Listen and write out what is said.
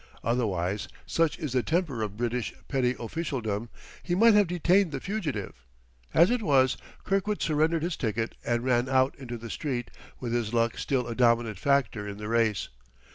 Otherwise, such is the temper of British petty officialdom, he might have detained the fugitive. As it was, Kirkwood surrendered his ticket and ran out into the street with his luck still a dominant factor in the race.